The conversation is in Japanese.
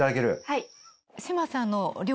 はい。